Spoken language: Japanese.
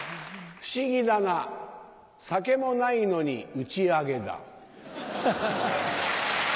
不思議だな酒もないのに打ち上げだ。